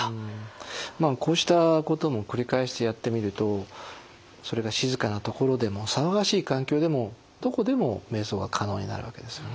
こうしたことも繰り返してやってみるとそれが静かな所でも騒がしい環境でもどこでもめい想が可能になるわけですよね。